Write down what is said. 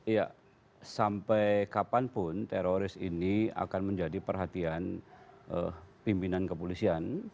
ya sampai kapanpun teroris ini akan menjadi perhatian pimpinan kepolisian